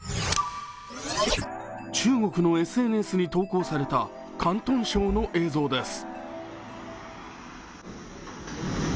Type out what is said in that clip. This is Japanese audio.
中国のＳＮＳに投稿された広東省の映像です。